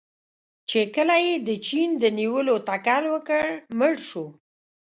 چې کله یې د چین د نیولو تکل وکړ، مړ شو.